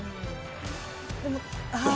でも、ああー。